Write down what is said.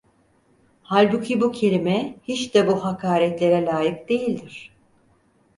Halbuki bu kelime, hiç de bu hakaretlere lâyık değildir.